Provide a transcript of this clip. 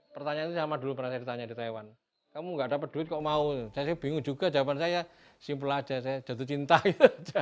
pertanyaan itu sama dulu pernah saya ditanya di taiwan kamu gak dapat duit kok mau saya sih bingung juga jawaban saya simpel aja saya jatuh cinta gitu